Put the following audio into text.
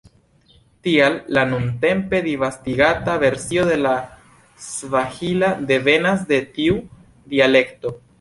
Tial la nuntempe disvastigata versio de la svahila devenas de tiu dialekto.